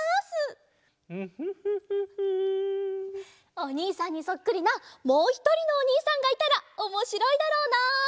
おにいさんにそっくりなもうひとりのおにいさんがいたらおもしろいだろうな！